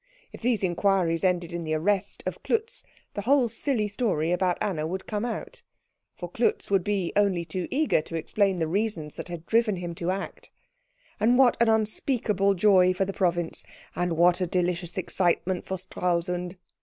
If these inquiries ended in the arrest of Klutz, the whole silly story about Anna would come out, for Klutz would be only too eager to explain the reasons that had driven him to the act; and what an unspeakable joy for the province, and what a delicious excitement for Stralsund!